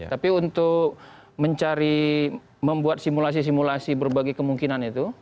tapi untuk mencari membuat simulasi simulasi berbagai kemungkinan itu